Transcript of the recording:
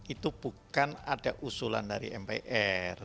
itu bukan ada usulan dari mpr